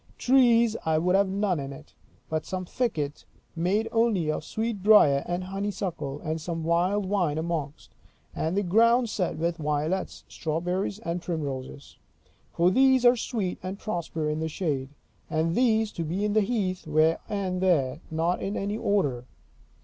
Trees I would have none in it, but some thickets made only of sweet briar and honeysuckle, and some wild vine amongst; and the ground set with violets, strawberries, and primroses. For these are sweet, and prosper in the shade. And these to be in the heath, here and there, not in any order.